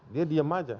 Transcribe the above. dia diam aja